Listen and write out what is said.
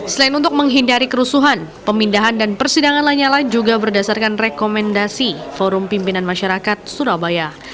selain untuk menghindari kerusuhan pemindahan dan persidangan lanyala juga berdasarkan rekomendasi forum pimpinan masyarakat surabaya